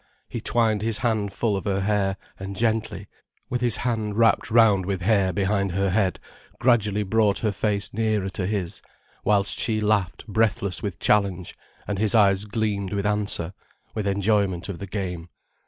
He twined his hand full of her hair, and gently, with his hand wrapped round with hair behind her head, gradually brought her face nearer to his, whilst she laughed breathless with challenge, and his eyes gleamed with answer, with enjoyment of the game.